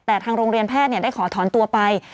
แต่ทางโรงเรียนแพทย์ได้ขอถอนตัวไป